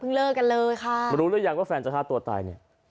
เลิกกันเลยค่ะรู้หรือยังว่าแฟนจะฆ่าตัวตายเนี่ย